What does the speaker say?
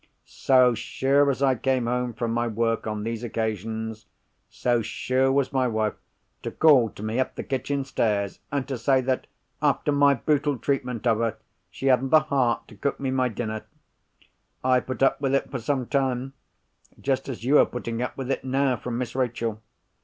So sure as I came home from my work on these occasions, so sure was my wife to call to me up the kitchen stairs, and to say that, after my brutal treatment of her, she hadn't the heart to cook me my dinner. I put up with it for some time—just as you are putting up with it now from Miss Rachel.